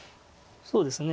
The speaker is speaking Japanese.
そうですね